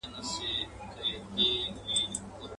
پر خپلوانو گاونډیانو مهربان وو.